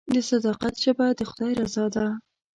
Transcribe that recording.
د صداقت ژبه د خدای رضا ده.